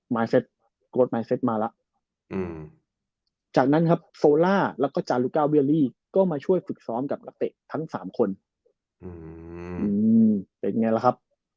โกรธมายเซ็ตมาแล้วจากนั้นครับโซล่าแล้วก็จารุก้าเวียลี่ก็มาช่วยฝึกซ้อมกับนักเตะทั้ง๓คนเป็นไงล่ะครับ